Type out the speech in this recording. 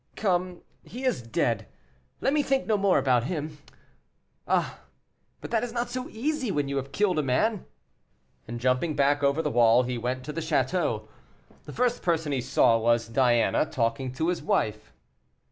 "Come, he is dead; let me think no more about him. Ah! but that is not so easy, when you have killed a man." And jumping back over the wall, he went to the château. The first person he saw was Diana talking to his wife.